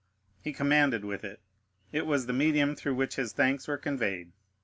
He commanded with it; it was the medium through which his thanks were conveyed.